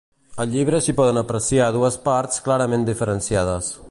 Al llibre s'hi poden apreciar dues parts clarament diferenciades.